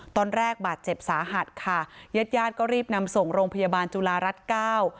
ตอนแรกบาดเจ็บสาหัสค่ะญาติญาติก็รีบนำส่งโรงพยาบาลจุฬารัฐเก้า